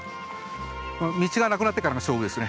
道がなくなってからが勝負ですね。